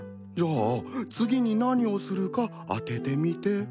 じゃあ次に何をするか当ててみて。